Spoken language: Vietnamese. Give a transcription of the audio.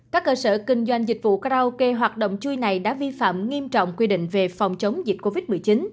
các cơ sở kinh doanh dịch vụ karaoke hoạt động chui này đã vi phạm nghiêm trọng quy định về phòng chống dịch covid một mươi chín